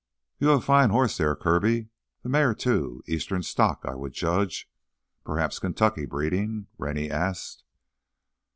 "You have a fine horse there, Kirby—the mare, too. Eastern stock, I would judge, perhaps Kentucky breeding?" Rennie asked.